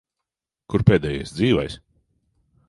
Kur pēdējais dzīvais?